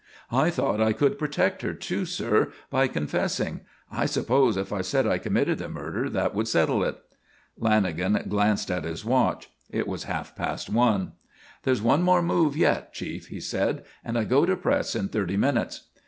I thought I could protect her, too, sir, by confessing. I supposed if I said I committed the murder that would settle it." Lanagan glanced at his watch. It was half past one. "There's one more move yet, Chief," he said, "and I go to press in thirty minutes."